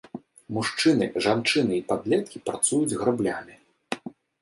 Мужчыны, жанчыны і падлеткі працуюць граблямі.